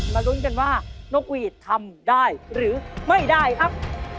ลุ้นกันว่านกหวีดทำได้หรือไม่ได้ครับ